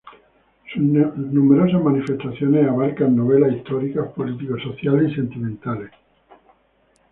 Sus numerosas manifestaciones abarcan novelas históricas, político-sociales y sentimentales.